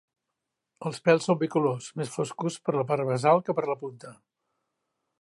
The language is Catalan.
Els pèls són bicolors, més foscos per la part basal que per la punta.